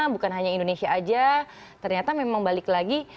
bukan hanya indonesia saja ternyata memang balik lagi